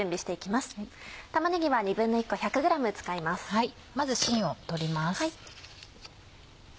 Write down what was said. まずしんを取ります。